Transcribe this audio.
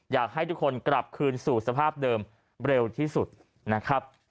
อยากให้ทุกคนกลับคืนสู่สภาพเดิมเร็วที่สุดนะครับ